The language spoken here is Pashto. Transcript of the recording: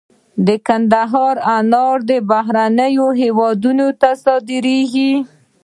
د کندهار انار بهرنیو هیوادونو ته صادریږي